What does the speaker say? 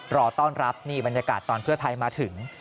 รอต้อนรับนี่บรรยากาศตอนเพื่อไทยมาถึง